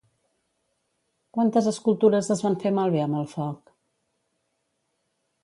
Quantes escultures es van fer malbé amb el foc?